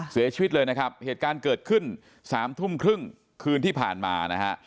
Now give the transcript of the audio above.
เสียชีวิตเลยนะครับเหตุการณ์เกิดขึ้นสามทุ่มครึ่งคืนที่ผ่านมานะฮะ